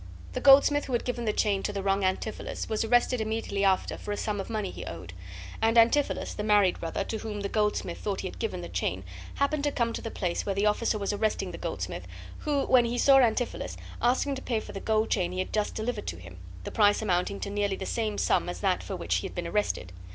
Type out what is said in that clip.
The goldsmith who had given the chain to the wrong Antipholus was arrested immediately after for a sum of money he owed; and Antipholus, the married brother, to whom the goldsmith thought he had given the chain, happened to come to the place where the officer was arresting the goldsmith, who, when he saw Antipholus, asked him to pay for the gold chain he had just delivered to him, the price amounting to nearly the same sum as that for which he had been arrested.